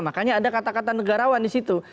makanya ada kata kata negarawan di situ